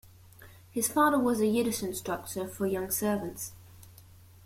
His father was a Yiddish instructor for young servants.